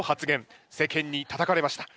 世間にたたかれました。